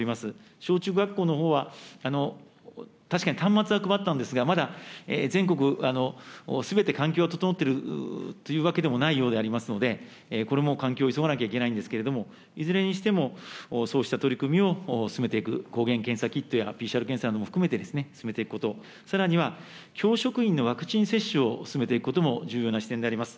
小中学校のほうは、確かに端末は配ったんですが、まだ全国すべて環境が整っているというわけでもないようでありますので、これも環境を急がなければいけないんですけれども、いずれにしても、そうした取り組みを進めていく、抗原検査キットやＰＣＲ検査も含めて進めていくこと、さらには、教職員のワクチン接種を進めていくことも重要な視点であります。